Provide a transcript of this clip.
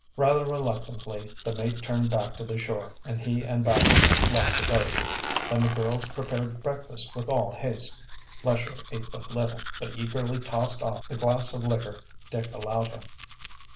Rather reluctantly the mate turned back to the shore and he and Baxter left the boat. Then the girls prepared breakfast with all haste. Lesher ate but little, but eagerly tossed off the glass of liquor Dick allowed him.